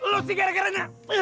lo sih gara garanya